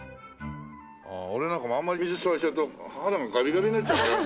俺なんかもうあんまり水吸われちゃうと肌がガビガビになっちゃうんじゃない？